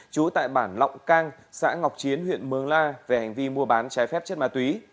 trú tại bản lọng cang xã ngọc chiến huyện mường la về hành vi mua bán trái phép chất ma túy